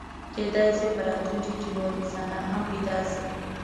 کېدی شي په راتلونکي کې نور انسانان هم پیدا شي.